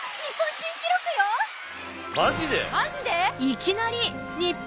マジで！？